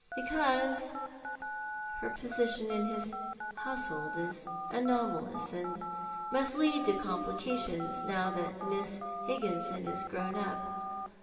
"Because her position in his household is anomalous, and must lead to complications, now that Miss Higginson is grown up."